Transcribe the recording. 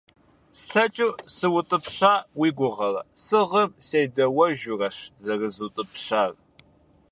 Слъэкӏыу сыутӏыпща уи гугъэрэ? Сыгъым седаӏуэжурэщ зэрызутӏыпщар.